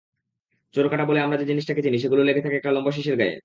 চোরকাঁটা বলে আমরা যে জিনিসটাকে চিনি, সেগুলো লেগে থাকে একটা লম্বা শীষের গায়ে।